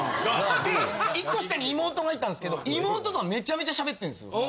で１個下に妹がいたんすけど妹とはめちゃめちゃ喋ってるんですよ。